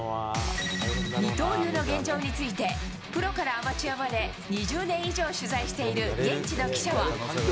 二刀流の現状について、プロからアマチュアまで２０年以上取材している現地の記者は。